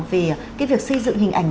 về cái việc xây dựng hình ảnh